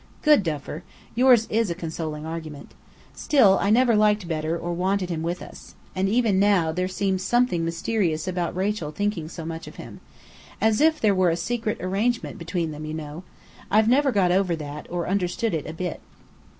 '" "Good Duffer! Yours is a consoling argument. Still, I never liked Bedr or wanted him with us. And even now, there seems something mysterious about Rachel thinking so much of him. As if there were a secret arrangement between them, you know! I've never got over that, or understood it a bit."